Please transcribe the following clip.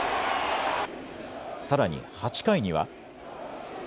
さらに８回には。